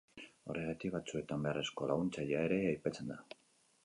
Horregatik, batzuetan, beharrezko laguntzailea ere aipatzen da.